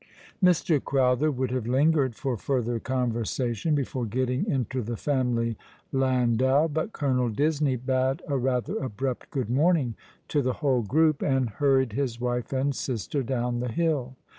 Mr. Crowther would have lingered for further conversation before getting into the family landau, but Colonel Disney bade a rather abrupt good morning to the whole group, and hurried his wife and sister down the hill.